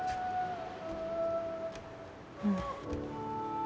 うん。